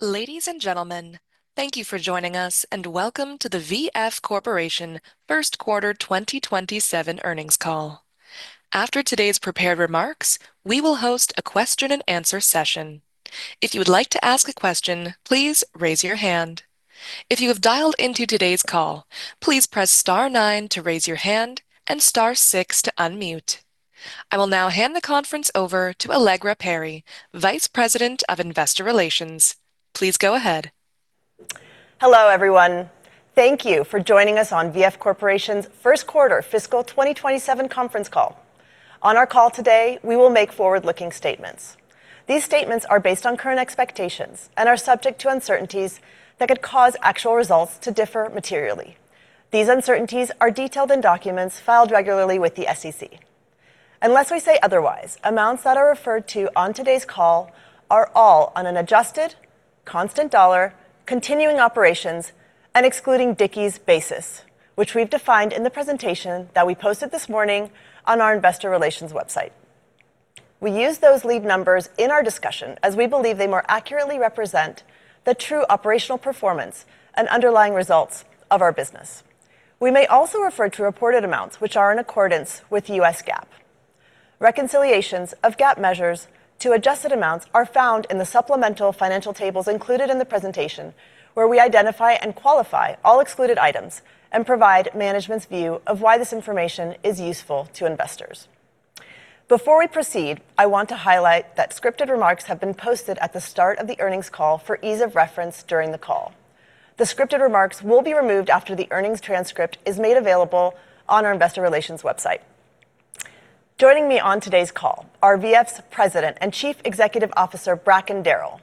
Ladies and gentlemen, thank you for joining us, and welcome to the VF Corporation First Quarter 2027 Earnings Call. After today's prepared remarks, we will host a question and answer session. If you would like to ask a question, please raise your hand. If you have dialed into today's call, please press star nine to raise your hand and star six to unmute. I will now hand the conference over to Allegra Perry, Vice President of Investor Relations. Please go ahead. Hello, everyone. Thank you for joining us on VF Corporation's First Quarter Fiscal 2027 Conference Call. On our call today, we will make forward-looking statements. These statements are based on current expectations and are subject to uncertainties that could cause actual results to differ materially. These uncertainties are detailed in documents filed regularly with the SEC. Unless we say otherwise, amounts that are referred to on today's call are all on an adjusted, constant dollar, continuing operations, and excluding Dickies' basis, which we've defined in the presentation that we posted this morning on our investor relations website. We use those lead numbers in our discussion as we believe they more accurately represent the true operational performance and underlying results of our business. We may also refer to reported amounts, which are in accordance with the US GAAP. Reconciliations of GAAP measures to adjusted amounts are found in the supplemental financial tables included in the presentation, where we identify and qualify all excluded items and provide management's view of why this information is useful to investors. Before we proceed, I want to highlight that scripted remarks have been posted at the start of the earnings call for ease of reference during the call. The scripted remarks will be removed after the earnings transcript is made available on our investor relations website. Joining me on today's call are VF's President and Chief Executive Officer, Bracken Darrell;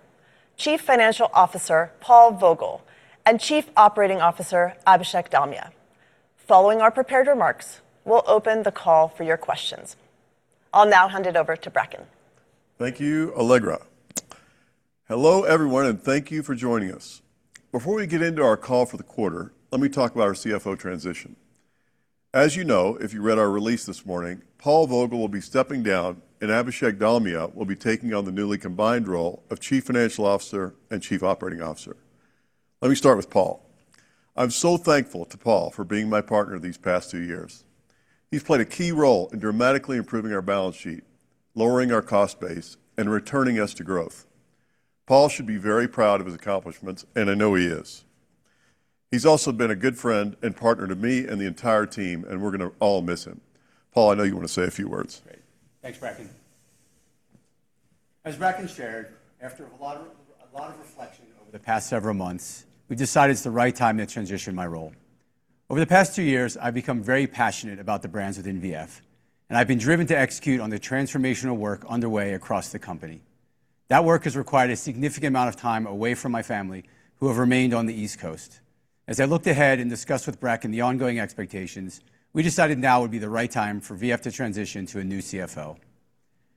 Chief Financial Officer, Paul Vogel; and Chief Operating Officer, Abhishek Dalmia. Following our prepared remarks, we'll open the call for your questions. I'll now hand it over to Bracken. Thank you, Allegra. Hello, everyone, and thank you for joining us. Before we get into our call for the quarter, let me talk about our CFO transition. As you know, if you read our release this morning, Paul Vogel will be stepping down, and Abhishek Dalmia will be taking on the newly combined role of Chief Financial Officer and Chief Operating Officer. Let me start with Paul. I'm so thankful to Paul for being my partner these past two years. He's played a key role in dramatically improving our balance sheet, lowering our cost base, and returning us to growth. Paul should be very proud of his accomplishments, and I know he is. He's also been a good friend and partner to me and the entire team, and we're going to all miss him. Paul, I know you want to say a few words. Great. Thanks, Bracken. As Bracken shared, after a lot of reflection over the past several months, we decided it's the right time to transition my role. Over the past two years, I've become very passionate about the brands within VF, and I've been driven to execute on the transformational work underway across the company. That work has required a significant amount of time away from my family, who have remained on the East Coast. As I looked ahead and discussed with Bracken the ongoing expectations, we decided now would be the right time for VF to transition to a new CFO.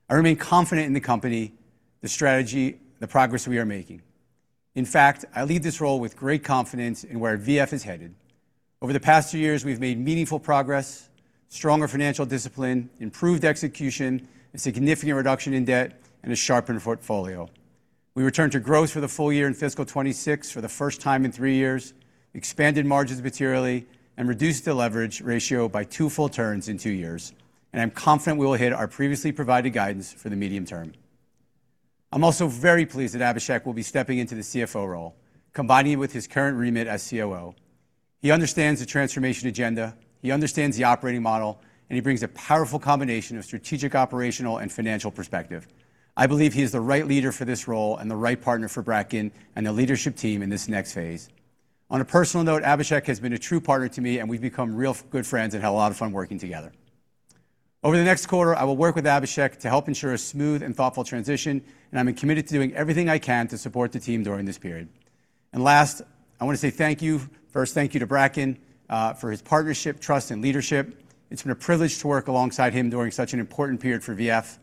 I remain confident in the company, the strategy, the progress we are making. In fact, I lead this role with great confidence in where VF is headed. Over the past two years, we've made meaningful progress, stronger financial discipline, improved execution, a significant reduction in debt, and a sharpened portfolio. We returned to growth for the full year in FY 2026 for the first time in three years, expanded margins materially, and reduced the leverage ratio by two full turns in two years. I'm confident we will hit our previously provided guidance for the medium term. I'm also very pleased that Abhishek will be stepping into the CFO role, combining with his current remit as COO. He understands the transformation agenda, he understands the operating model, and he brings a powerful combination of strategic, operational, and financial perspective. I believe he is the right leader for this role and the right partner for Bracken and the leadership team in this next phase. On a personal note, Abhishek has been a true partner to me, and we've become real good friends and had a lot of fun working together. Over the next quarter, I will work with Abhishek to help ensure a smooth and thoughtful transition, and I'm committed to doing everything I can to support the team during this period. Last, I want to say thank you. First thank you to Bracken for his partnership, trust, and leadership. It's been a privilege to work alongside him during such an important period for VF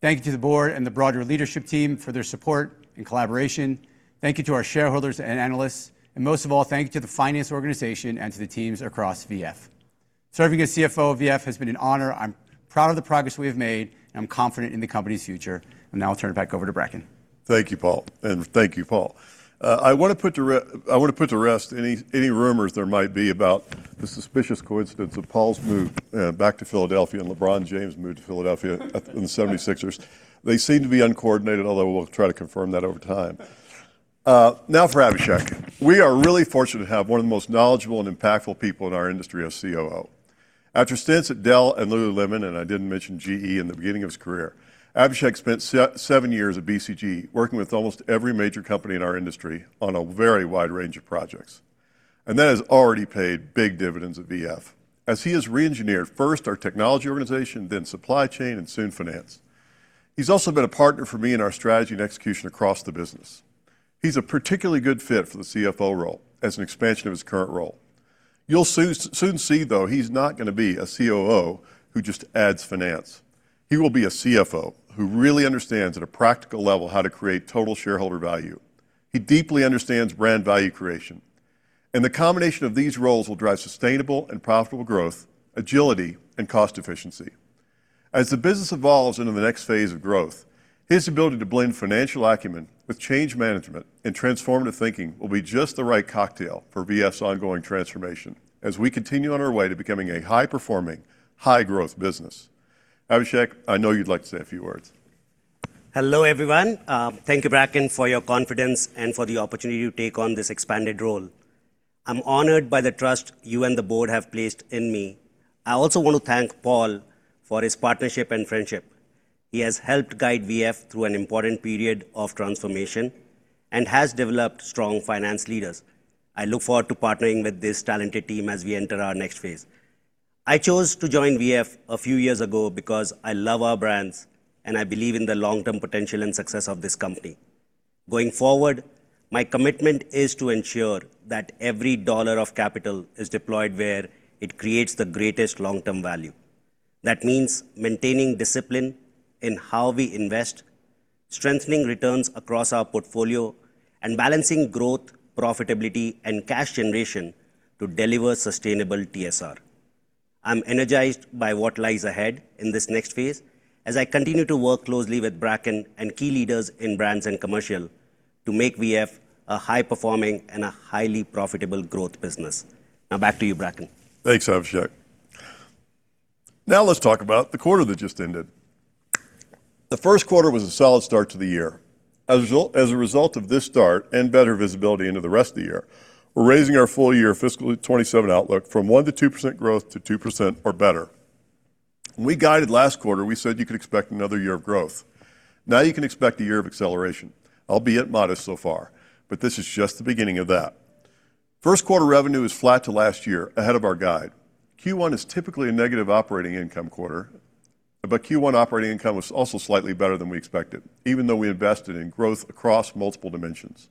Thank you to the board and the broader leadership team for their support and collaboration. Thank you to our shareholders and analysts, and most of all, thank you to the finance organization and to the teams across VF Serving as CFO of VF has been an honor. I'm proud of the progress we have made. I'm confident in the company's future. Now I'll turn it back over to Bracken. Thank you, Paul. Thank you, Paul. I want to put to rest any rumors there might be about the suspicious coincidence of Paul's move back to Philadelphia and LeBron James' move to Philadelphia and the Philadelphia 76ers. They seem to be uncoordinated, although we'll try to confirm that over time. For Abhishek. We are really fortunate to have one of the most knowledgeable and impactful people in our industry as COO. After stints at Dell and lululemon, I didn't mention GE in the beginning of his career, Abhishek spent seven years at BCG working with almost every major company in our industry on a very wide range of projects. That has already paid big dividends at VF as he has reengineered first our technology organization, then supply chain, and soon finance. He's also been a partner for me in our strategy and execution across the business. He's a particularly good fit for the CFO role as an expansion of his current role. You'll soon see, though, he's not going to be a COO who just adds finance. He will be a CFO who really understands at a practical level how to create total shareholder value. He deeply understands brand value creation. The combination of these roles will drive sustainable and profitable growth, agility, and cost efficiency. As the business evolves into the next phase of growth, his ability to blend financial acumen with change management and transformative thinking will be just the right cocktail for VF's ongoing transformation, as we continue on our way to becoming a high-performing, high-growth business. Abhishek, I know you'd like to say a few words. Hello, everyone. Thank you, Bracken, for your confidence and for the opportunity to take on this expanded role. I'm honored by the trust you and the board have placed in me. I also want to thank Paul for his partnership and friendship. He has helped guide VF through an important period of transformation and has developed strong finance leaders. I look forward to partnering with this talented team as we enter our next phase. I chose to join VF a few years ago because I love our brands and I believe in the long-term potential and success of this company. Going forward, my commitment is to ensure that every dollar of capital is deployed where it creates the greatest long-term value. That means maintaining discipline in how we invest, strengthening returns across our portfolio, and balancing growth, profitability, and cash generation to deliver sustainable TSR. I'm energized by what lies ahead in this next phase, as I continue to work closely with Bracken and key leaders in brands and commercial to make VF a high-performing and a highly profitable growth business. Back to you, Bracken. Thanks, Abhishek. Now let's talk about the quarter that just ended. The first quarter was a solid start to the year. As a result of this start and better visibility into the rest of the year, we're raising our full-year fiscal 2027 outlook from 1%-2% growth to 2% or better. When we guided last quarter, we said you could expect another year of growth. Now you can expect a year of acceleration, albeit modest so far, but this is just the beginning of that. First quarter revenue is flat to last year, ahead of our guide. Q1 is typically a negative operating income quarter, but Q1 operating income was also slightly better than we expected, even though we invested in growth across multiple dimensions.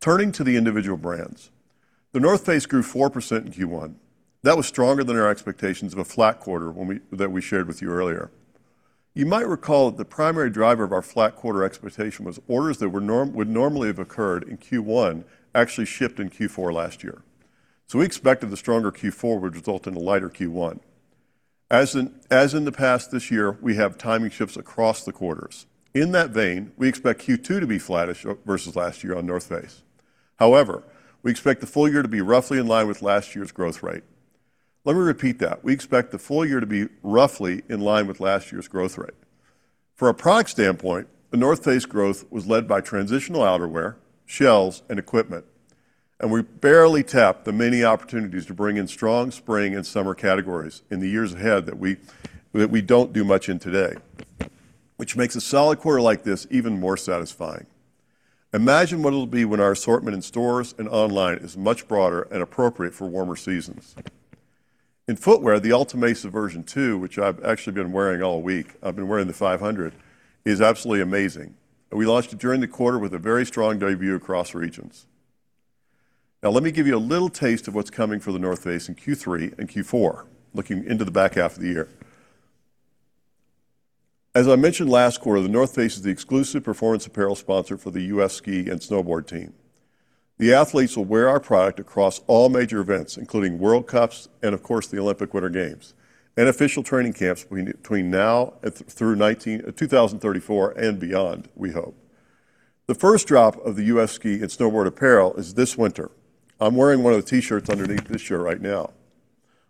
Turning to the individual brands, The North Face grew 4% in Q1. That was stronger than our expectations of a flat quarter that we shared with you earlier. You might recall that the primary driver of our flat quarter expectation was orders that would normally have occurred in Q1 actually shipped in Q4 last year. We expected the stronger Q4 would result in a lighter Q1. As in the past this year, we have timing shifts across the quarters. In that vein, we expect Q2 to be flattish versus last year on The North Face. However, we expect the full year to be roughly in line with last year's growth rate. Let me repeat that. We expect the full year to be roughly in line with last year's growth rate. From a product standpoint, The North Face growth was led by transitional outerwear, shells, and equipment, and we barely tapped the many opportunities to bring in strong spring and summer categories in the years ahead that we don't do much in today, which makes a solid quarter like this even more satisfying. Imagine what it'll be when our assortment in stores and online is much broader and appropriate for warmer seasons. In footwear, the Ultima Version Two, which I've actually been wearing all week, I've been wearing the 500, is absolutely amazing, and we launched it during the quarter with a very strong debut across regions. Now, let me give you a little taste of what's coming for The North Face in Q3 and Q4, looking into the back half of the year. As I mentioned last quarter, The North Face is the exclusive performance apparel sponsor for the U.S. Ski & Snowboard Team. The athletes will wear our product across all major events, including World Cups and of course the Olympic Winter Games, and official training camps between now through 2034 and beyond, we hope. The first drop of the U.S. Ski & Snowboard apparel is this winter. I'm wearing one of the T-shirts underneath this shirt right now.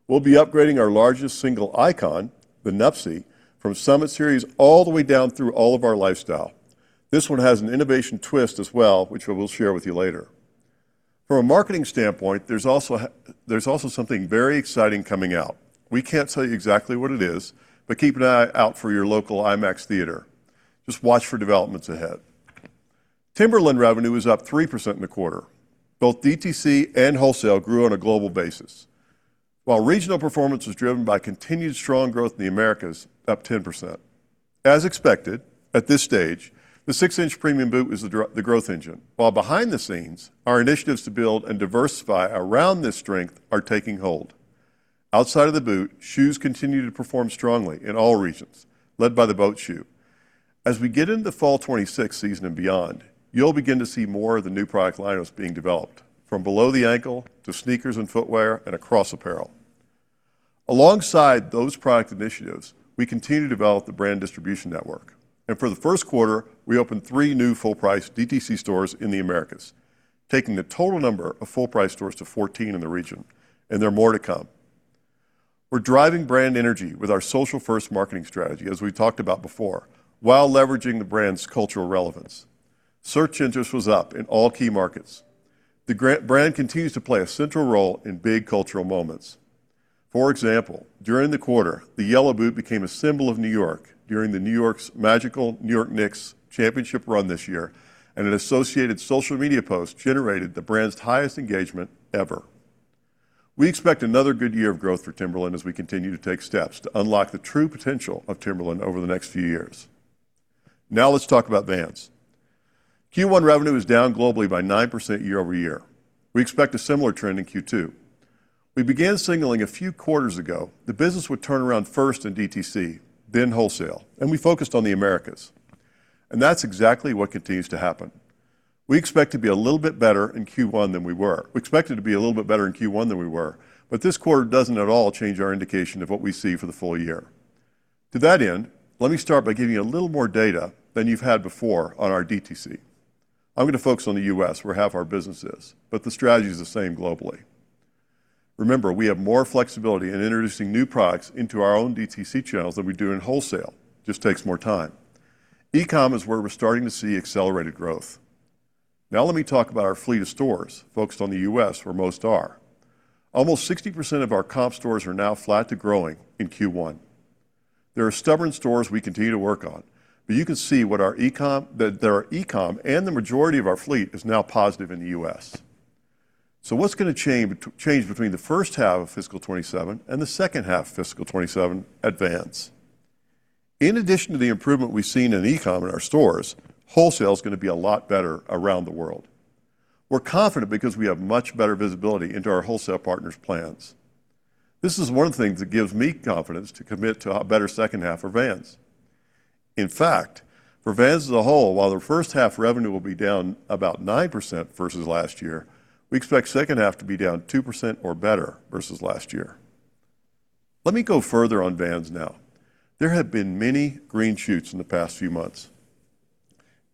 We'll be upgrading our largest single icon, the Nuptse, from Summit Series all the way down through all of our lifestyle. This one has an innovation twist as well, which we will share with you later. From a marketing standpoint, there's also something very exciting coming out. We can't tell you exactly what it is, but keep an eye out for your local IMAX theater. Just watch for developments ahead. Timberland revenue was up 3% in the quarter. Both DTC and wholesale grew on a global basis, while regional performance was driven by continued strong growth in the Americas, up 10%. As expected, at this stage, the six-inch premium boot is the growth engine. While behind the scenes, our initiatives to build and diversify around this strength are taking hold. Outside of the boot, shoes continue to perform strongly in all regions, led by the Boat shoe. As we get into fall 2026 season and beyond, you'll begin to see more of the new product lineups being developed, from below the ankle to sneakers and footwear, and across apparel. Alongside those product initiatives, we continue to develop the brand distribution network. For the first quarter, we opened three new full-price DTC stores in the Americas, taking the total number of full-price stores to 14 in the region. There are more to come. We're driving brand energy with our social-first marketing strategy, as we've talked about before, while leveraging the brand's cultural relevance. Search interest was up in all key markets. The brand continues to play a central role in big cultural moments. For example, during the quarter, the yellow boot became a symbol of New York during the New York's magical New York Knicks championship run this year, and an associated social media post generated the brand's highest engagement ever. We expect another good year of growth for Timberland as we continue to take steps to unlock the true potential of Timberland over the next few years. Now let's talk about Vans. Q1 revenue is down globally by 9% year-over-year. We expect a similar trend in Q2. We began signaling a few quarters ago the business would turn around first in DTC, then wholesale. We focused on the Americas. That's exactly what continues to happen. We expect to be a little bit better in Q1 than we were, but this quarter doesn't at all change our indication of what we see for the full year. To that end, let me start by giving you a little more data than you've had before on our DTC. I'm going to focus on the U.S., where half our business is, but the strategy is the same globally. Remember, we have more flexibility in introducing new products into our own DTC channels than we do in wholesale. It just takes more time. E-com is where we're starting to see accelerated growth. Now let me talk about our fleet of stores, focused on the U.S., where most are. Almost 60% of our comp stores are now flat to growing in Q1. There are stubborn stores we continue to work on, but you can see that our e-com and the majority of our fleet is now positive in the U.S. What's going to change between the first half of fiscal 2027 and the second half of fiscal 2027 at Vans? In addition to the improvement we've seen in e-com in our stores, wholesale's going to be a lot better around the world. We're confident because we have much better visibility into our wholesale partners' plans. This is one of the things that gives me confidence to commit to a better second half for Vans. In fact, for Vans as a whole, while their first half revenue will be down about 9% versus last year, we expect second half to be down 2% or better versus last year. Let me go further on Vans now. There have been many green shoots in the past few months.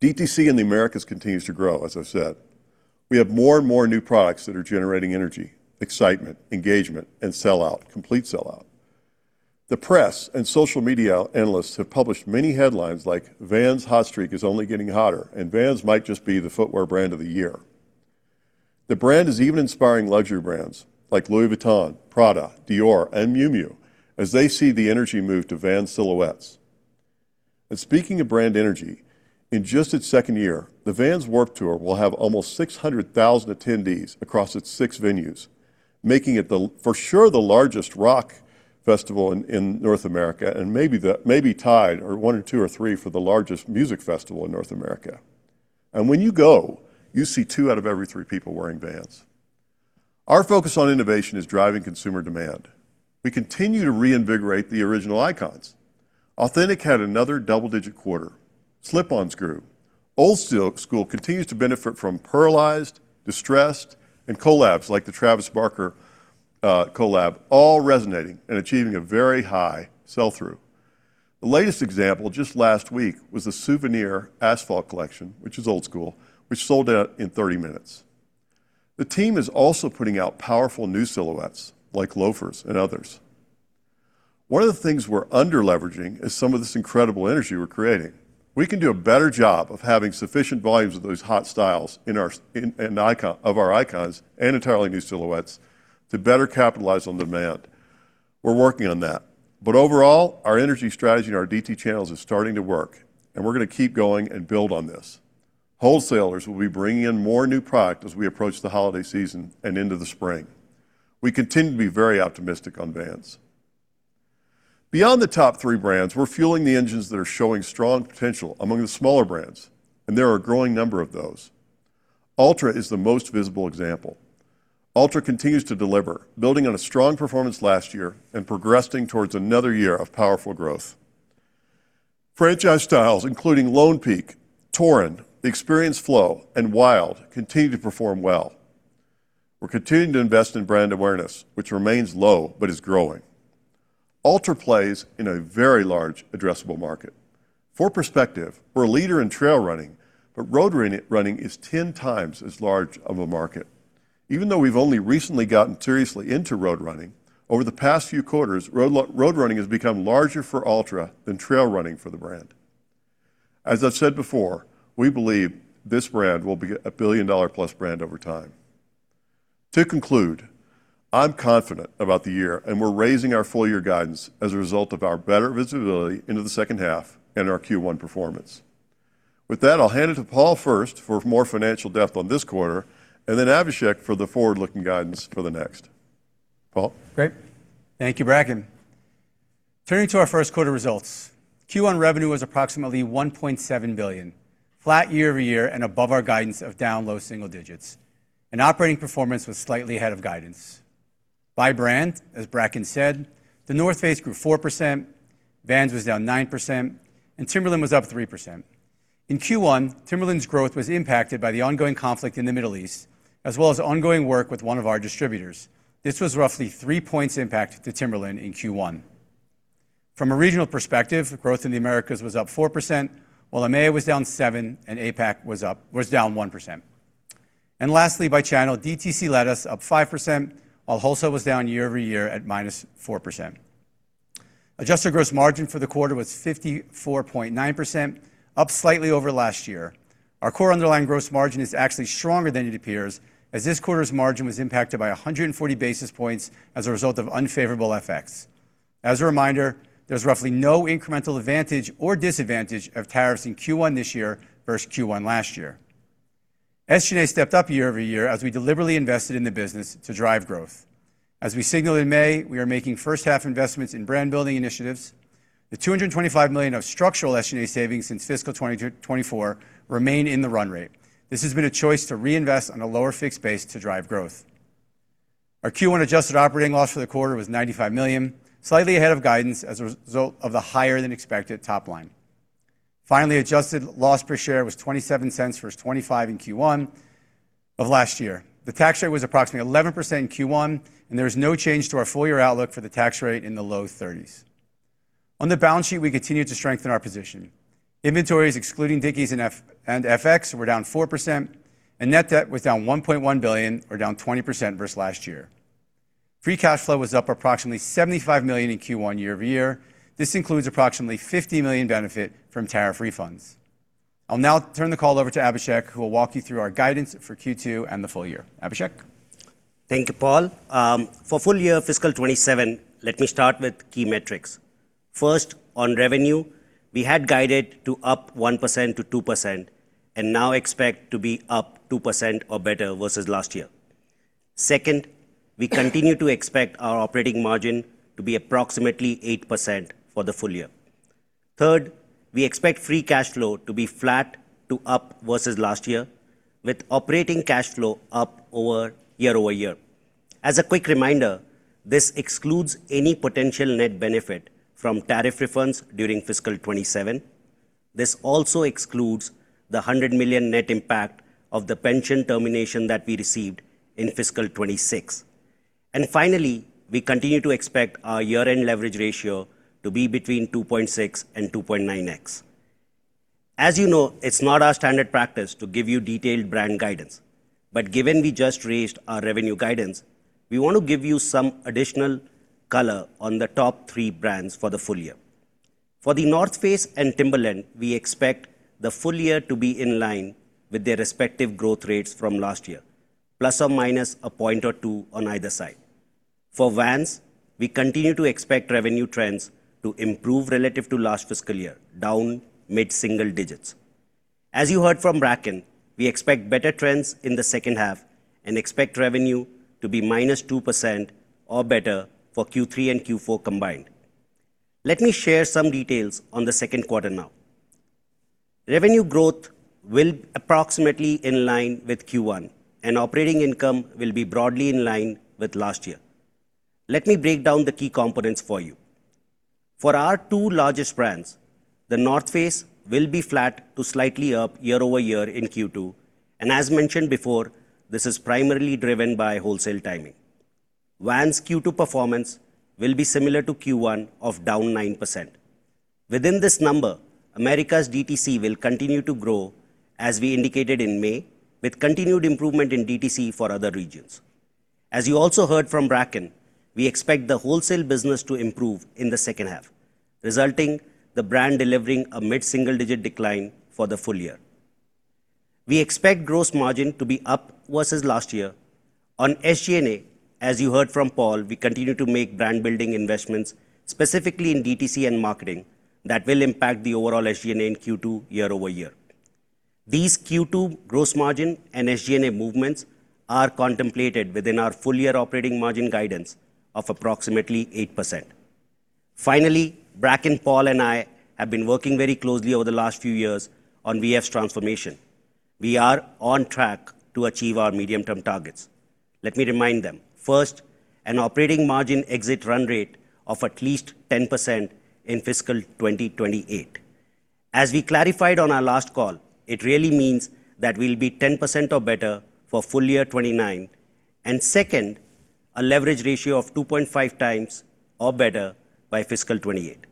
DTC in the Americas continues to grow, as I've said. We have more and more new products that are generating energy, excitement, engagement, and sell-out. Complete sell-out. The press and social media analysts have published many headlines like, "Vans' hot streak is only getting hotter," and, "Vans might just be the footwear brand of the year." The brand is even inspiring luxury brands like Louis Vuitton, Prada, Dior, and Miu Miu as they see the energy move to Vans silhouettes. Speaking of brand energy, in just its second year, the Vans Warped Tour will have almost 600,000 attendees across its six venues, making it for sure the largest rock festival in North America, and maybe tied or one of two or three for the largest music festival in North America. When you go, you see two out of every three people wearing Vans. Our focus on innovation is driving consumer demand. We continue to reinvigorate the original icons. Authentic had another double-digit quarter. Slip-Ons grew. Old Skool continues to benefit from Pearlized, distressed, and collabs like the Travis Barker collab, all resonating and achieving a very high sell-through. The latest example, just last week, was the Souvenir Asphalt collection, which is Old Skool, which sold out in 30 minutes. The team is also putting out powerful new silhouettes like loafers and others. One of the things we're under-leveraging is some of this incredible energy we're creating. We can do a better job of having sufficient volumes of those hot styles of our icons and entirely new silhouettes to better capitalize on demand. We're working on that. Overall, our energy strategy in our DT channels is starting to work, and we're going to keep going and build on this. Wholesalers will be bringing in more new product as we approach the holiday season and into the spring. We continue to be very optimistic on Vans. Beyond the top three brands, we're fueling the engines that are showing strong potential among the smaller brands, and there are a growing number of those. Altra is the most visible example. Altra continues to deliver, building on a strong performance last year and progressing towards another year of powerful growth. Franchise styles including Lone Peak, Torin, Experience Flow, and Wild continue to perform well. We're continuing to invest in brand awareness, which remains low but is growing. Altra plays in a very large addressable market. For perspective, we're a leader in trail running, but road running is 10 times as large of a market. Even though we've only recently gotten seriously into road running, over the past few quarters, road running has become larger for Altra than trail running for the brand. As I've said before, we believe this brand will be a billion-dollar-plus brand over time. To conclude, I'm confident about the year, and we're raising our full-year guidance as a result of our better visibility into the second half and our Q1 performance. With that, I'll hand it to Paul first for more financial depth on this quarter, and then Abhishek for the forward-looking guidance for the next. Paul? Great. Thank you, Bracken. Turning to our first quarter results. Q1 revenue was approximately $1.7 billion, flat year-over-year and above our guidance of down low single digits. Operating performance was slightly ahead of guidance. By brand, as Bracken said, The North Face grew 4%, Vans was down 9%, and Timberland was up 3%. In Q1, Timberland's growth was impacted by the ongoing conflict in the Middle East, as well as ongoing work with one of our distributors. This was roughly 3 points impact to Timberland in Q1. From a regional perspective, growth in the Americas was up 4%, while EMEA was down 7% and APAC was down 1%. Lastly, by channel, DTC led us up 5%, while wholesale was down year-over-year at -4%. Adjusted gross margin for the quarter was 54.9%, up slightly over last year. Our core underlying gross margin is actually stronger than it appears, as this quarter's margin was impacted by 140 basis points as a result of unfavorable FX. As a reminder, there's roughly no incremental advantage or disadvantage of tariffs in Q1 this year versus Q1 last year. SG&A stepped up year-over-year as we deliberately invested in the business to drive growth. As we signaled in May, we are making first-half investments in brand-building initiatives. The $225 million of structural SG&A savings since fiscal 2024 remain in the run rate. This has been a choice to reinvest on a lower fixed base to drive growth. Our Q1 adjusted operating loss for the quarter was $95 million, slightly ahead of guidance as a result of the higher-than-expected top line. Finally, adjusted loss per share was $0.27 versus $0.25 in Q1 of last year. The tax rate was approximately 11% in Q1. There is no change to our full-year outlook for the tax rate in the low 30s. On the balance sheet, we continue to strengthen our position. Inventories excluding Dickies and FX were down 4%, and net debt was down $1.1 billion or down 20% versus last year. Free cash flow was up approximately $75 million in Q1 year-over-year. This includes approximately $50 million benefit from tariff refunds. I'll now turn the call over to Abhishek, who will walk you through our guidance for Q2 and the full year. Abhishek? Thank you, Paul. For full year fiscal 2027, let me start with key metrics. First, on revenue, we had guided to up 1%-2% and now expect to be up 2% or better versus last year. Second, we continue to expect our operating margin to be approximately 8% for the full year. Third, we expect free cash flow to be flat to up versus last year, with operating cash flow up year-over-year. As a quick reminder, this excludes any potential net benefit from tariff refunds during fiscal 2027. This also excludes the $100 million net impact of the pension termination that we received in fiscal 2026. Finally, we continue to expect our year-end leverage ratio to be between 2.6 and 2.9x. As you know, it's not our standard practice to give you detailed brand guidance. Given we just raised our revenue guidance, we want to give you some additional color on the top three brands for the full year. For The North Face and Timberland, we expect the full year to be in line with their respective growth rates from last year, ±1 point or 2 on either side. For Vans, we continue to expect revenue trends to improve relative to last fiscal year, down mid-single digits. As you heard from Bracken, we expect better trends in the second half and expect revenue to be -2% or better for Q3 and Q4 combined. Let me share some details on the second quarter now. Revenue growth will be approximately in line with Q1, and operating income will be broadly in line with last year. Let me break down the key components for you. For our two largest brands, The North Face will be flat to slightly up year-over-year in Q2. As mentioned before, this is primarily driven by wholesale timing. Vans Q2 performance will be similar to Q1 of down 9%. Within this number, Americas DTC will continue to grow, as we indicated in May, with continued improvement in DTC for other regions. As you also heard from Bracken, we expect the wholesale business to improve in the second half, resulting the brand delivering a mid-single-digit decline for the full year. We expect gross margin to be up versus last year. On SG&A, as you heard from Paul, we continue to make brand-building investments, specifically in DTC and marketing, that will impact the overall SG&A in Q2 year-over-year. These Q2 gross margin and SG&A movements are contemplated within our full-year operating margin guidance of approximately 8%. Finally, Bracken, Paul, and I have been working very closely over the last few years on VF's transformation. We are on track to achieve our medium-term targets. Let me remind them. First, an operating margin exit run rate of at least 10% in fiscal 2028. As we clarified on our last call, it really means that we'll be 10% or better for full year 2029. Second, a leverage ratio of 2.5x or better by fiscal 2028.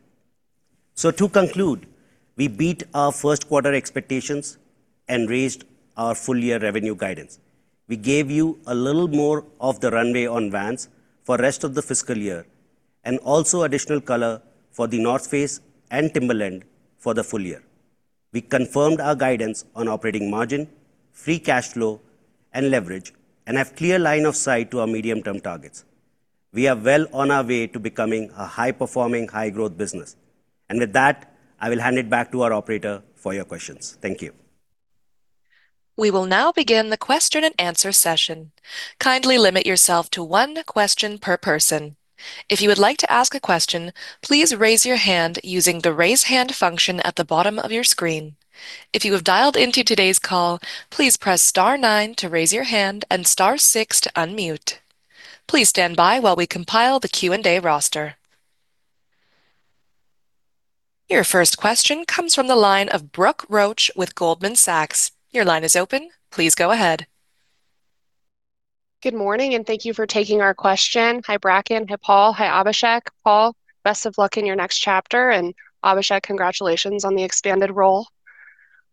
To conclude, we beat our first quarter expectations and raised our full-year revenue guidance. We gave you a little more of the runway on Vans for rest of the fiscal year and also additional color for The North Face and Timberland for the full year. We confirmed our guidance on operating margin, free cash flow, and leverage, and have clear line of sight to our medium-term targets. We are well on our way to becoming a high-performing, high-growth business. With that, I will hand it back to our operator for your questions. Thank you. We will now begin the question and answer session. Kindly limit yourself to one question per person. If you would like to ask a question, please raise your hand using the raise hand function at the bottom of your screen. If you have dialed into today's call, please press star nine to raise your hand and star six to unmute. Please stand by while we compile the Q&A roster. Your first question comes from the line of Brooke Roach with Goldman Sachs. Your line is open. Please go ahead. Good morning. Thank you for taking our question. Hi, Bracken. Hey, Paul. Hi, Abhishek. Paul, best of luck in your next chapter. Abhishek, congratulations on the expanded role.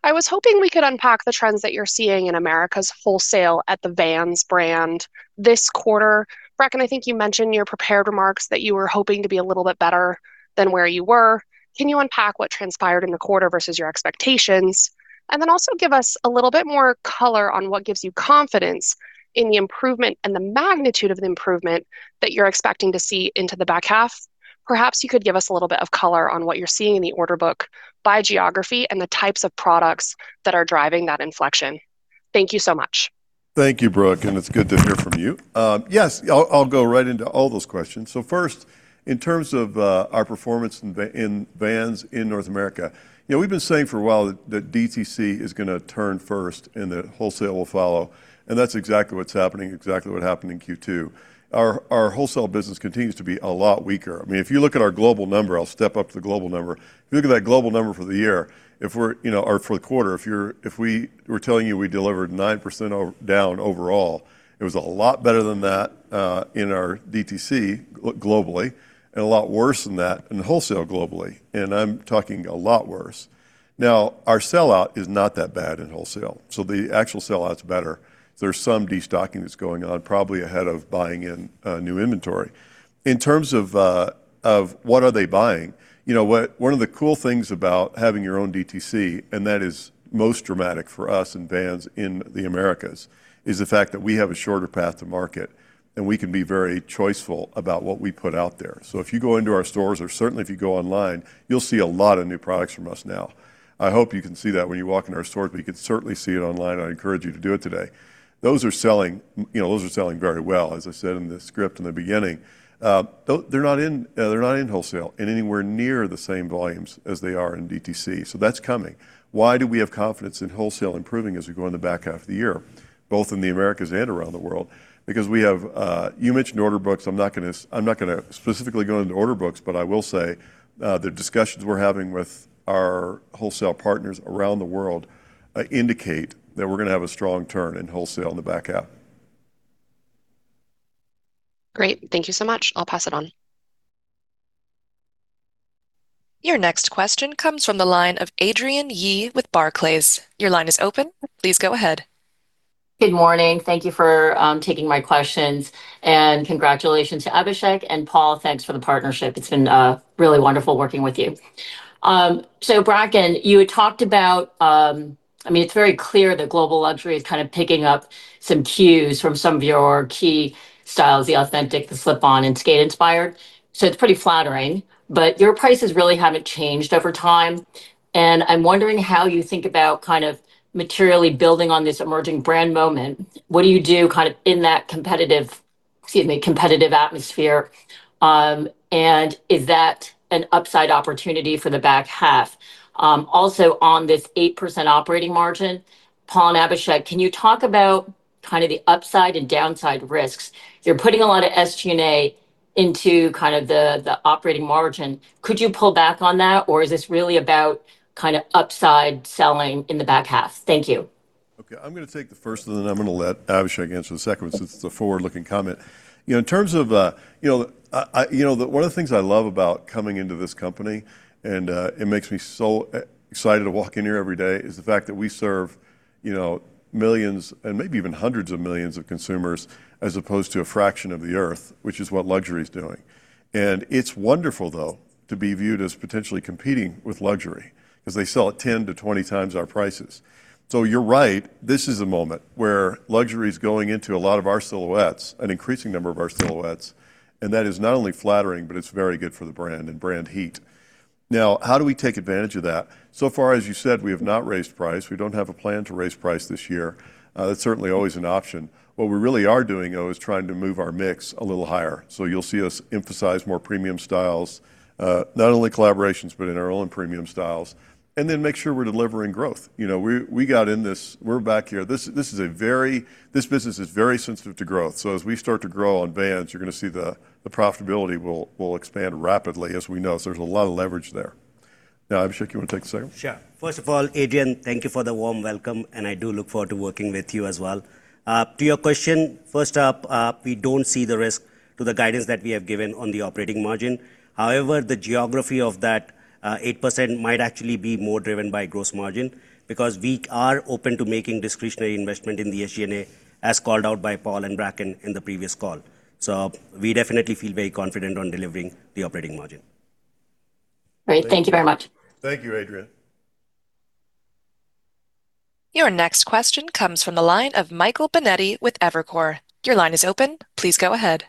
I was hoping we could unpack the trends that you're seeing in America's wholesale at the Vans brand this quarter. Bracken, I think you mentioned in your prepared remarks that you were hoping to be a little bit better than where you were. Can you unpack what transpired in the quarter versus your expectations? Also give us a little bit more color on what gives you confidence in the improvement and the magnitude of the improvement that you're expecting to see into the back half. Perhaps you could give us a little bit of color on what you're seeing in the order book by geography and the types of products that are driving that inflection. Thank you so much. Thank you, Brooke. It's good to hear from you. Yes, I'll go right into all those questions. First, in terms of our performance in Vans in North America, we've been saying for a while that DTC is going to turn first and that wholesale will follow, and that's exactly what's happening, exactly what happened in Q2. Our wholesale business continues to be a lot weaker. If you look at our global number, I'll step up to the global number. If you look at that global number for the quarter. If we were telling you we delivered 9% down overall, it was a lot better than that in our DTC globally and a lot worse than that in wholesale globally. I'm talking a lot worse. Now, our sellout is not that bad in wholesale. The actual sellout's better. There's some destocking that's going on, probably ahead of buying in new inventory. In terms of what are they buying, one of the cool things about having your own DTC, and that is most dramatic for us in Vans in the Americas, is the fact that we have a shorter path to market, and we can be very choiceful about what we put out there. If you go into our stores or certainly if you go online, you'll see a lot of new products from us now. I hope you can see that when you walk in our stores, but you can certainly see it online, and I encourage you to do it today. Those are selling very well, as I said in the script in the beginning. They're not in wholesale in anywhere near the same volumes as they are in DTC. That's coming. Why do we have confidence in wholesale improving as we go in the back half of the year, both in the Americas and around the world? You mentioned order books. I'm not going to specifically go into order books, but I will say the discussions we're having with our wholesale partners around the world indicate that we're going to have a strong turn in wholesale in the back half. Great. Thank you so much. I'll pass it on. Your next question comes from the line of Adrienne Yih with Barclays. Your line is open. Please go ahead. Good morning. Thank you for taking my questions, and congratulations to Abhishek, and Paul, thanks for the partnership. It's been really wonderful working with you. Bracken, you had talked about It's very clear that global luxury is kind of picking up some cues from some of your key styles, the Authentic, the slip-on, and skate-inspired. It's pretty flattering, but your prices really haven't changed over time, and I'm wondering how you think about materially building on this emerging brand moment. What do you do in that competitive atmosphere? Is that an upside opportunity for the back half? Also on this 8% operating margin, Paul and Abhishek, can you talk about the upside and downside risks? You're putting a lot of SG&A into the operating margin. Could you pull back on that, or is this really about upside selling in the back half? Thank you. Okay. I'm going to take the first one, then I'm going to let Abhishek answer the second one since it's a forward-looking comment. One of the things I love about coming into this company, and it makes me so excited to walk in here every day, is the fact that we serve millions and maybe even hundreds of millions of consumers as opposed to a fraction of the Earth, which is what luxury is doing. It's wonderful, though, to be viewed as potentially competing with luxury because they sell at 10-20 times our prices. You're right. This is a moment where luxury is going into a lot of our silhouettes, an increasing number of our silhouettes, and that is not only flattering, but it's very good for the brand and brand heat. Now, how do we take advantage of that? So far, as you said, we have not raised price. We don't have a plan to raise price this year. That's certainly always an option. What we really are doing, though, is trying to move our mix a little higher. You'll see us emphasize more premium styles, not only collaborations, but in our own premium styles, and then make sure we're delivering growth. We got in this. We're back here. This business is very sensitive to growth. As we start to grow on Vans, you're going to see the profitability will expand rapidly as we know. There's a lot of leverage there. Now, Abhishek, you want to take the second? Sure. First of all, Adrienne, thank you for the warm welcome, and I do look forward to working with you as well. To your question, first up, we don't see the risk to the guidance that we have given on the operating margin. However, the geography of that 8% might actually be more driven by gross margin because we are open to making discretionary investment in the SG&A as called out by Paul and Bracken in the previous call. We definitely feel very confident on delivering the operating margin. Great. Thank you very much. Thank you, Adrienne. Your next question comes from the line of Michael Binetti with Evercore. Your line is open. Please go ahead.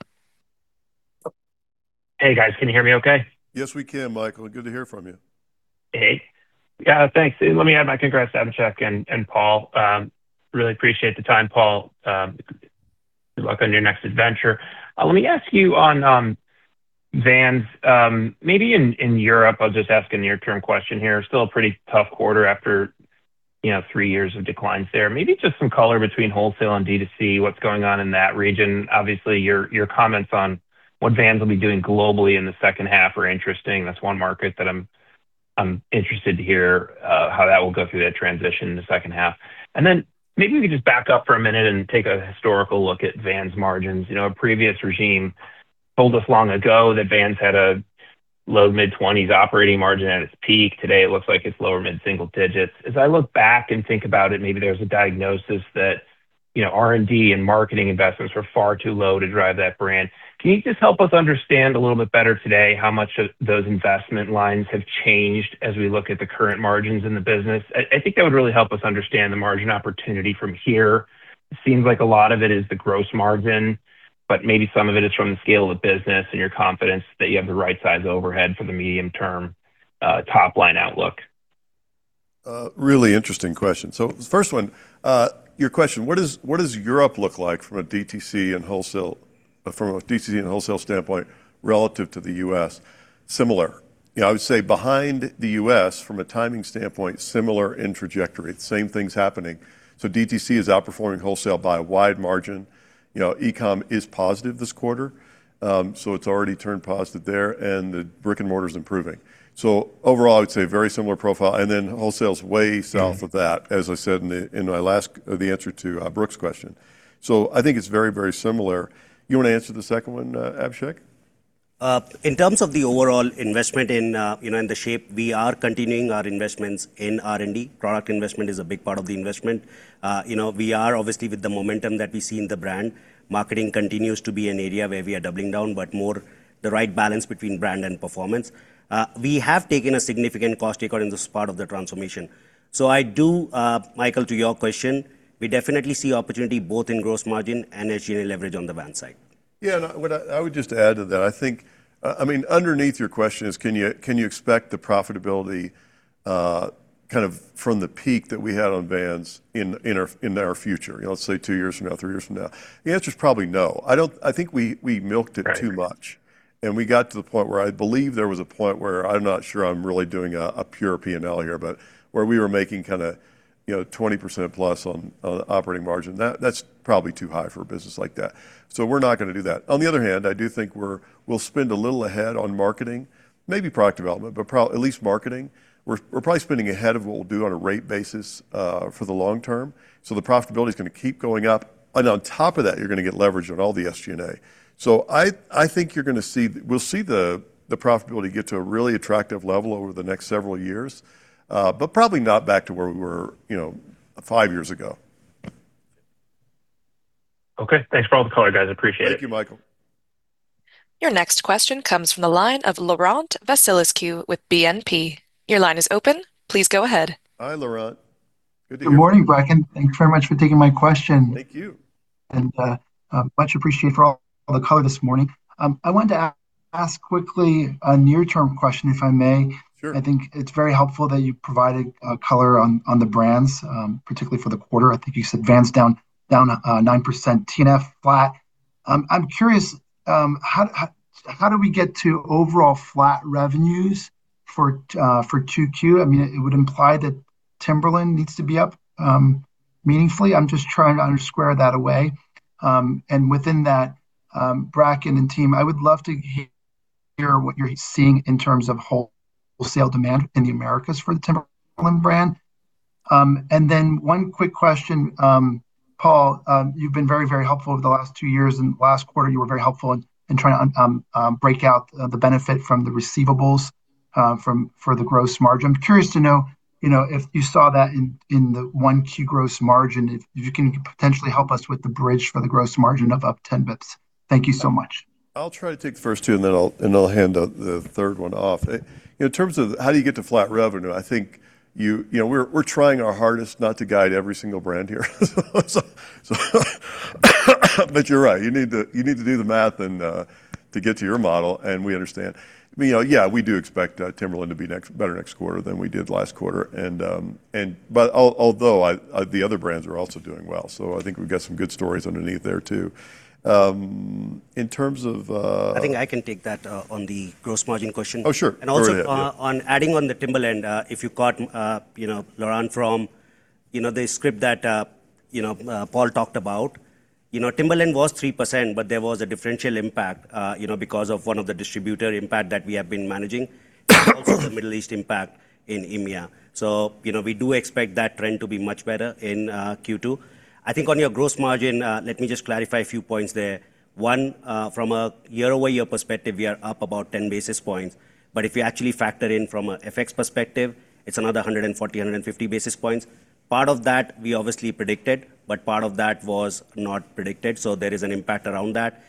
Hey, guys. Can you hear me okay? Yes, we can, Michael. Good to hear from you. Hey. Yeah, thanks. Let me add my congrats to Abhishek and Paul. Really appreciate the time, Paul. Good luck on your next adventure. Let me ask you on Vans, maybe in Europe, I'll just ask a near-term question here. Still a pretty tough quarter after three years of declines there. Maybe just some color between wholesale and D2C, what's going on in that region. Obviously, your comments on what Vans will be doing globally in the second half are interesting. That's one market that I'm interested to hear how that will go through that transition in the second half. Maybe we could just back up for a minute and take a historical look at Vans margins. A previous regime told us long ago that Vans had a low mid-20s operating margin at its peak. Today, it looks like it's lower mid-single digits. As I look back and think about it, maybe there's a diagnosis that R&D and marketing investments were far too low to drive that brand. Can you just help us understand a little bit better today how much those investment lines have changed as we look at the current margins in the business? I think that would really help us understand the margin opportunity from here. It seems like a lot of it is the gross margin, but maybe some of it is from the scale of the business and your confidence that you have the right size overhead for the medium-term top-line outlook. A really interesting question. The first one, your question, what does Europe look like from a DTC and wholesale standpoint relative to the U.S.? Similar. I would say behind the U.S. from a timing standpoint, similar in trajectory. The same thing's happening. DTC is outperforming wholesale by a wide margin. E-commerce is positive this quarter, it's already turned positive there, and the brick and mortar is improving. Overall, I would say very similar profile, wholesale's way south of that, as I said in the answer to Brooke's question. I think it's very, very similar. You want to answer the second one, Abhishek? In terms of the overall investment and the shape, we are continuing our investments in R&D. Product investment is a big part of the investment. We are obviously with the momentum that we see in the brand. Marketing continues to be an area where we are doubling down, but more the right balance between brand and performance. We have taken a significant cost cut in this part of the transformation. I do, Michael, to your question, we definitely see opportunity both in gross margin and SG&A leverage on the Vans side. I would just add to that, underneath your question is can you expect the profitability from the peak that we had on Vans in our future? Let's say two years from now, three years from now. The answer's probably no. I think we milked it too much. We got to the point where I believe there was a point where I'm not sure I'm really doing a pure P&L here, but where we were making kind of 20%+ on operating margin. That's probably too high for a business like that. We're not going to do that. On the other hand, I do think we'll spend a little ahead on marketing, maybe product development, but at least marketing. We're probably spending ahead of what we'll do on a rate basis for the long term. The profitability's going to keep going up. On top of that, you're going to get leverage on all the SG&A. I think we'll see the profitability get to a really attractive level over the next several years. Probably not back to where we were five years ago. Okay. Thanks for all the color, guys. I appreciate it. Thank you, Michael. Your next question comes from the line of Laurent Vasilescu with BNP. Your line is open. Please go ahead. Hi, Laurent. Good to hear from you. Good morning, Bracken. Thank you very much for taking my question. Thank you. Much appreciate for all the color this morning. I wanted to ask quickly a near-term question, if I may. Sure. I think it's very helpful that you provided color on the brands, particularly for the quarter. I think you said Vans down 9%, TNF flat. I'm curious, how do we get to overall flat revenues for 2Q? It would imply that Timberland needs to be up meaningfully. I'm just trying to square that away. Within that, Bracken and team, I would love to hear what you're seeing in terms of wholesale demand in the Americas for the Timberland brand. One quick question, Paul, you've been very, very helpful over the last two years, and last quarter, you were very helpful in trying to break out the benefit from the receivables for the gross margin. I'm curious to know if you saw that in the 1Q gross margin, if you can potentially help us with the bridge for the gross margin of up 10 basis points. Thank you so much. I'll try to take the first two, and then I'll hand the third one off. In terms of how do you get to flat revenue, I think we're trying our hardest not to guide every single brand here. You're right, you need to do the math and to get to your model, and we understand. Yeah, we do expect Timberland to be better next quarter than we did last quarter. Although the other brands are also doing well, so I think we've got some good stories underneath there, too. I think I can take that on the gross margin question. Oh, sure. Go right ahead, yeah. Also on adding on the Timberland, if you caught Laurent from the script that Paul talked about. Timberland was 3%, but there was a differential impact because of one of the distributor impact that we have been managing and also the Middle East impact in EMEA. We do expect that trend to be much better in Q2. I think on your gross margin, let me just clarify a few points there. One, from a year-over-year perspective, we are up about 10 basis points. If you actually factor in from a FX perspective, it's another 140, 150 basis points. Part of that we obviously predicted, but part of that was not predicted. There is an impact around that.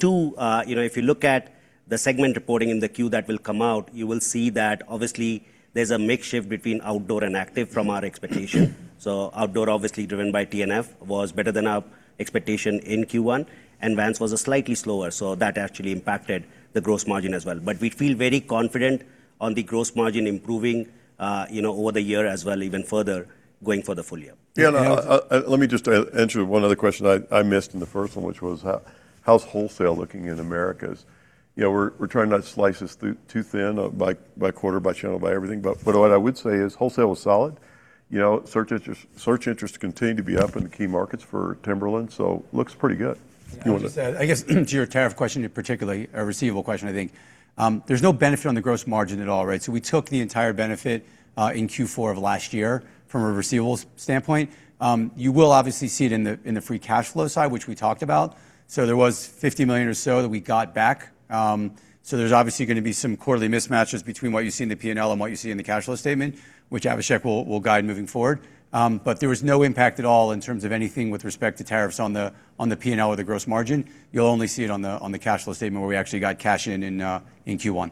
Two, if you look at the segment reporting in the Q that will come out, you will see that obviously there's a mix shift between Outdoor and Active from our expectation. Outdoor, obviously driven by TNF, was better than our expectation in Q1, and Vans was slightly slower, so that actually impacted the gross margin as well. We feel very confident on the gross margin improving over the year as well, even further going for the full year. Let me just answer one other question I missed in the first one, which was how's wholesale looking in Americas? We're trying not to slice this too thin by quarter, by channel, by everything. What I would say is wholesale was solid. Search interest continue to be up in the key markets for Timberland, looks pretty good. You want to? I guess to your tariff question, particularly a receivable question, I think. There's no benefit on the gross margin at all, right? We took the entire benefit in Q4 of last year from a receivables standpoint. You will obviously see it in the free cash flow side, which we talked about. There was $50 million or so that we got back. There's obviously going to be some quarterly mismatches between what you see in the P&L and what you see in the cash flow statement, which Abhishek will guide moving forward. There was no impact at all in terms of anything with respect to tariffs on the P&L or the gross margin. You'll only see it on the cash flow statement where we actually got cash in in Q1.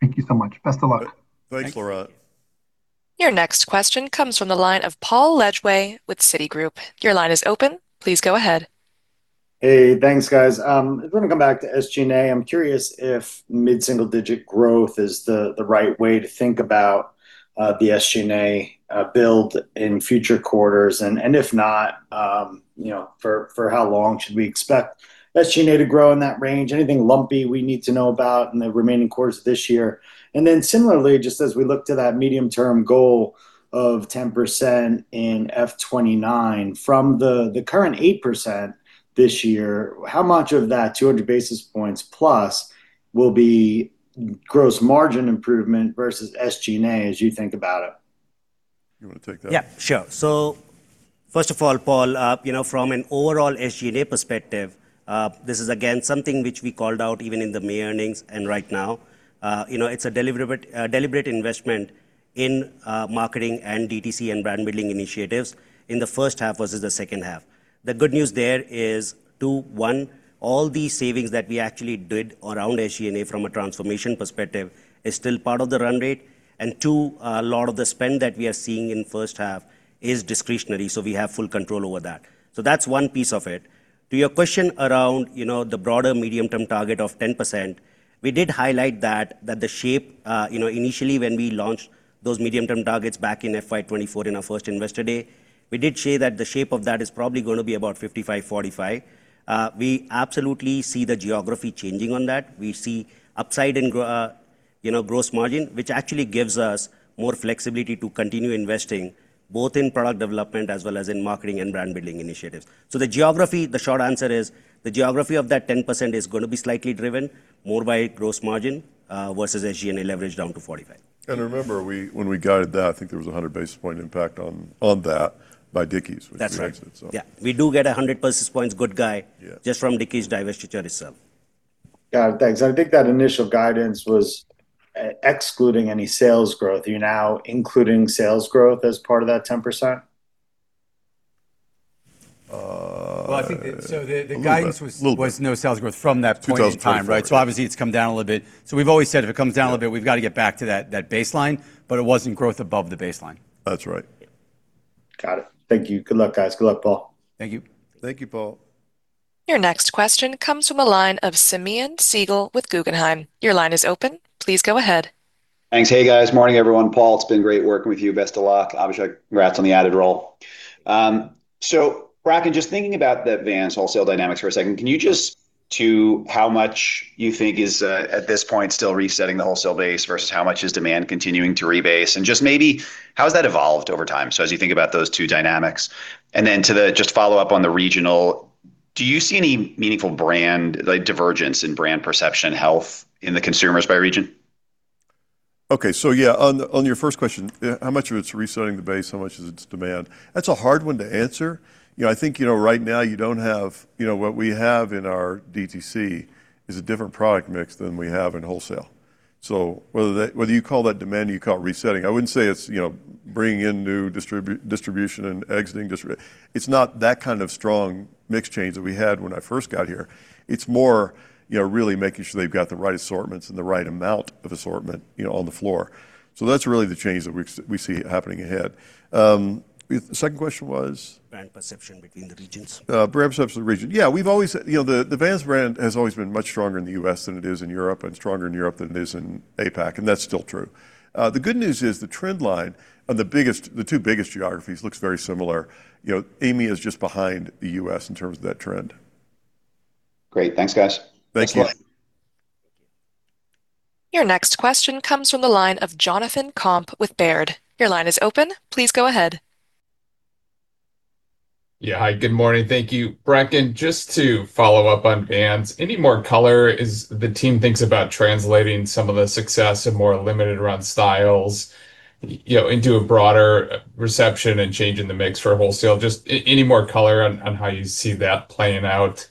Thank you so much. Best of luck. Thanks, Laurent. Your next question comes from the line of Paul Lejuez with Citigroup. Your line is open. Please go ahead. Hey, thanks guys. I want to come back to SG&A. I'm curious if mid-single-digit growth is the right way to think about the SG&A build in future quarters, and if not, for how long should we expect SG&A to grow in that range? Anything lumpy we need to know about in the remaining quarters of this year? Similarly, just as we look to that medium-term goal of 10% in FY 2029 from the current 8% this year, how much of that 200 basis points plus will be gross margin improvement versus SG&A as you think about it? You want to take that? Yeah, sure. First of all, Paul, from an overall SG&A perspective, this is again, something which we called out even in the May earnings and right now. It's a deliberate investment in marketing and DTC and brand-building initiatives in the first half versus the second half. The good news there is two. One, all the savings that we actually did around SG&A from a transformation perspective is still part of the run rate. Two, a lot of the spend that we are seeing in the first half is discretionary, so we have full control over that. That's one piece of it. To your question around the broader medium-term target of 10%, we did highlight that the shape, initially when we launched those medium-term targets back in FY 2024 in our first investor day, we did say that the shape of that is probably going to be about 55/45. We absolutely see the geography changing on that. We see upside in gross margin, which actually gives us more flexibility to continue investing both in product development as well as in marketing and brand-building initiatives. The short answer is the geography of that 10% is going to be slightly driven more by gross margin, versus SG&A leverage down to 45. Remember, when we guided that, I think there was 100 basis point impact on that by Dickies, which we exited. That's right. We do get 100 basis points guide- Yeah. -just from Dickies divestiture itself. Got it, thanks. I think that initial guidance was excluding any sales growth. Are you now including sales growth as part of that 10%? Well, I think the guidance- A little bit. -was no sales growth from that point in time, right? 2024, yeah. Obviously it's come down a little bit. We've always said if it comes down a little bit, we've got to get back to that baseline, but it wasn't growth above the baseline. That's right. Got it. Thank you. Good luck, guys. Good luck, Paul. Thank you. Thank you, Paul. Your next question comes from the line of Simeon Siegel with Guggenheim. Your line is open. Please go ahead. Thanks. Hey, guys. Morning, everyone. Paul, it's been great working with you. Best of luck. Abhishek, congrats on the added role. Bracken, just thinking about the Vans wholesale dynamics for a second, can you just to how much you think is at this point still resetting the wholesale base versus how much is demand continuing to rebase? Just maybe how has that evolved over time? As you think about those two dynamics. Just follow up on the regional, do you see any meaningful brand divergence in brand perception health in the consumers by region? On your first question, how much of it's resetting the base, how much is it's demand? That's a hard one to answer. I think right now what we have in our DTC is a different product mix than we have in wholesale. Whether you call that demand or you call it resetting, I wouldn't say it's bringing in new distribution and exiting distribution. It's not that kind of strong mix change that we had when I first got here. It's more really making sure they've got the right assortments and the right amount of assortment on the floor. That's really the change that we see happening ahead. The second question was? Brand perception between the regions. Brand perception between the regions. The Vans brand has always been much stronger in the U.S. than it is in Europe, and stronger in Europe than it is in APAC, and that's still true. The good news is the trend line of the two biggest geographies looks very similar. EMEA is just behind the U.S. in terms of that trend. Great. Thanks, guys. Thanks a lot. Your next question comes from the line of Jonathan Komp with Baird. Your line is open. Please go ahead. Yeah. Hi, good morning. Thank you. Bracken, just to follow up on Vans, any more color as the team thinks about translating some of the success of more limited-run styles into a broader reception and change in the mix for wholesale? Just any more color on how you see that playing out.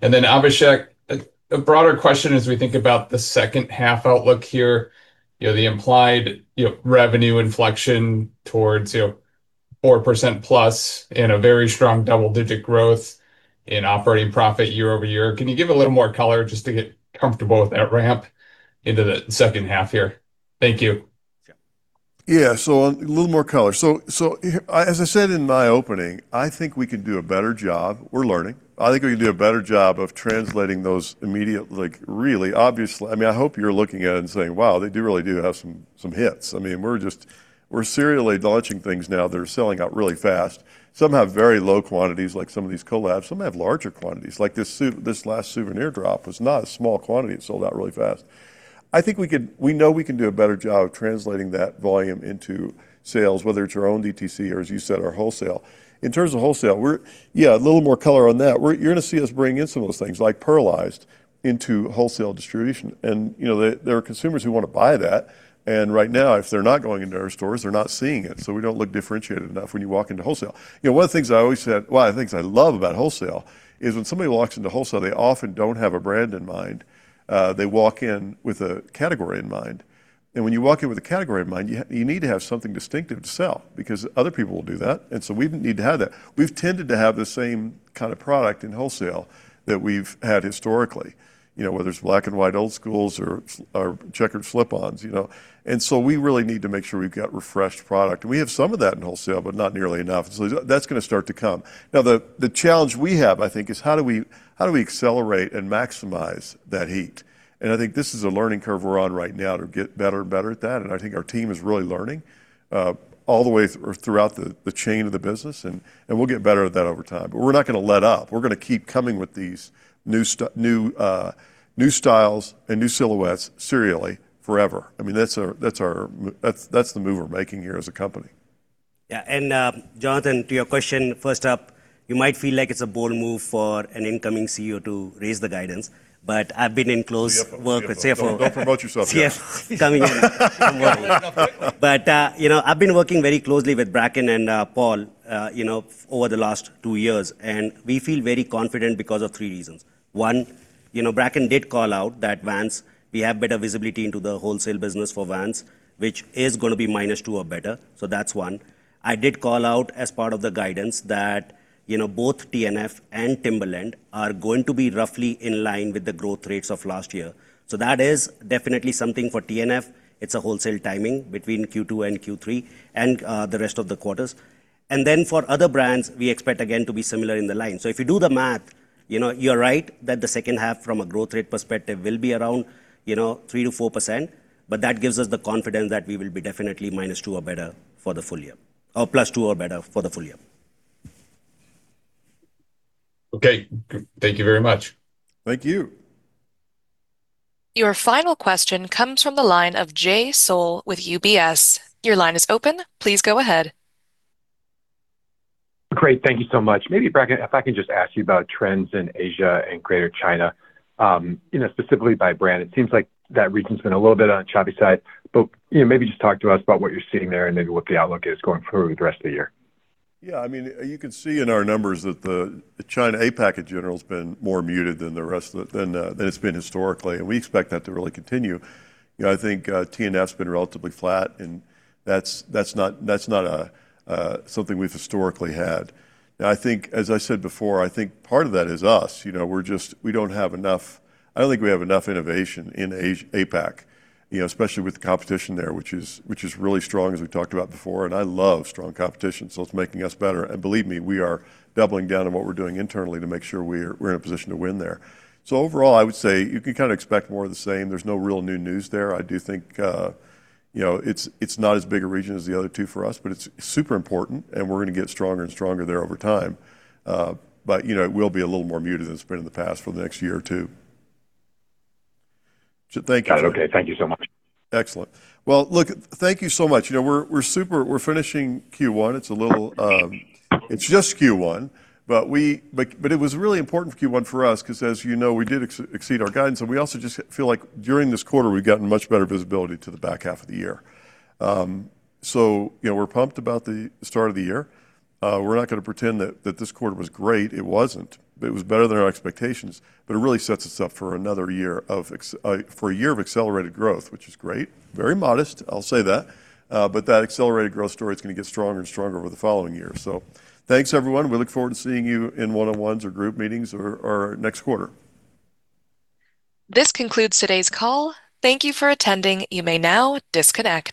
Abhishek, a broader question as we think about the second half outlook here, the implied revenue inflection towards 4%+ in a very strong double-digit growth in operating profit year-over-year. Can you give a little more color just to get comfortable with that ramp into the second half here? Thank you. Yeah. A little more color. As I said in my opening, I think we can do a better job. We're learning. I think we can do a better job of translating those immediately. Like really, obviously, I hope you're looking at it and saying, "Wow, they do really do have some hits." We're serially launching things now that are selling out really fast. Some have very low quantities, like some of these collabs. Some have larger quantities, like this last souvenir drop was not a small quantity. It sold out really fast. We know we can do a better job of translating that volume into sales, whether it's our own DTC or, as you said, our wholesale. In terms of wholesale, a little more color on that. You're going to see us bring in some of those things, like Pearlized, into wholesale distribution. There are consumers who want to buy that, and right now, if they're not going into our stores, they're not seeing it. We don't look differentiated enough when you walk into wholesale. One of the things I love about wholesale is when somebody walks into wholesale, they often don't have a brand in mind. They walk in with a category in mind. When you walk in with a category in mind, you need to have something distinctive to sell because other people will do that. We need to have that. We've tended to have the same kind of product in wholesale that we've had historically, whether it's black and white Old Skools or checkered slip-ons. We really need to make sure we've got refreshed product. We have some of that in wholesale, but not nearly enough. That's going to start to come. Now, the challenge we have, I think is how do we accelerate and maximize that heat? I think this is a learning curve we're on right now to get better and better at that. I think our team is really learning all the way throughout the chain of the business, and we'll get better at that over time. We're not going to let up. We're going to keep coming with these new styles and new silhouettes serially forever. That's the move we're making here as a company. Yeah. Jonathan, to your question, first up, you might feel like it's a bold move for an incoming CEO to raise the guidance, but I've been in close work with CFO- Don't promote yourself yet. -coming in. I've been working very closely with Bracken and Paul over the last two years, and we feel very confident because of three reasons. One, Bracken did call out that Vans, we have better visibility into the wholesale business for Vans, which is going to be minus two or better. That's one. I did call out as part of the guidance that both TNF and Timberland are going to be roughly in line with the growth rates of last year. That is definitely something for TNF. It's a wholesale timing between Q2 and Q3 and the rest of the quarters. For other brands, we expect again to be similar in the line. If you do the math, you're right that the second half from a growth rate perspective will be around 3%-4% but that gives us the confidence that we will be definitely -2% or better for the full year, or +2% or better for the full year. Okay. Thank you very much. Thank you. Your final question comes from the line of Jay Sole with UBS. Your line is open. Please go ahead. Great. Thank you so much. Maybe Bracken, if I can just ask you about trends in Asia and Greater China, specifically by brand. It seems like that region's been a little bit on the choppy side, but maybe just talk to us about what you're seeing there and maybe what the outlook is going forward the rest of the year. You can see in our numbers that the China APAC in general has been more muted than it's been historically. We expect that to really continue. I think TNF's been relatively flat. That's not something we've historically had. As I said before, I think part of that is us. I don't think we have enough innovation in APAC, especially with the competition there, which is really strong as we've talked about before. I love strong competition, so it's making us better. Believe me, we are doubling down on what we're doing internally to make sure we're in a position to win there. Overall, I would say you can kind of expect more of the same. There's no real new news there. I do think it's not as big a region as the other two for us. It's super important. We're going to get stronger and stronger there over time. It will be a little more muted than it's been in the past for the next year or two. Thank you. Got it. Okay. Thank you so much. Excellent. Thank you so much. We're finishing Q1. It's just Q1. It was a really important Q1 for us because as you know, we did exceed our guidance. We also just feel like during this quarter, we've gotten much better visibility to the back half of the year. We're pumped about the start of the year. We're not going to pretend that this quarter was great. It wasn't. It was better than our expectations. It really sets us up for a year of accelerated growth, which is great. Very modest, I'll say that. That accelerated growth story is going to get stronger and stronger over the following years. Thanks, everyone. We look forward to seeing you in one-on-ones or group meetings or next quarter. This concludes today's call. Thank you for attending. You may now disconnect.